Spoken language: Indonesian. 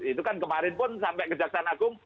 itu kan kemarin pun sampai kejaksanakung